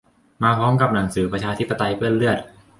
มาพร้อมกับหนังสือ "ประชาธิปไตยเปื้อนเลือด"